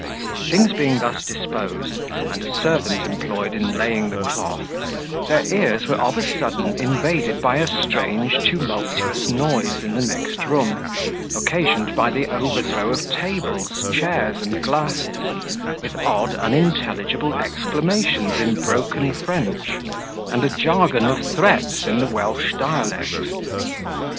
Things being thus disposed, and a servant employed in laying the cloth, their ears were of a sudden invaded by a strange tumultuous noise in the next room, occasioned by the overthrow of tables, chairs, and glasses, with odd unintelligible exclamations in broken French, and a jargon of threats in the Welsh dialect.